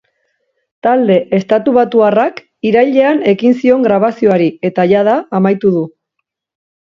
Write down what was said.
Talde estatubatuarrak irailean ekin zion grabazioari eta jada amaitu du.